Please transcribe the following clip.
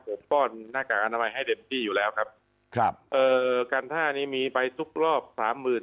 ผมป้อนหน้ากากอนามัยให้เต็มที่อยู่แล้วครับครับเอ่อการท่านี้มีไปทุกรอบสามหมื่น